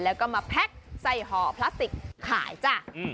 แล้วก็มาแพ็คใส่ห่อพลาสติกขายจ้ะ